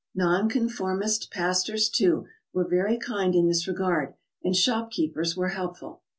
Non conformist pastors, too, were very kind in this regard, and shop keepers were helpful.